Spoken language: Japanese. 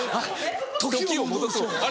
時を戻そう。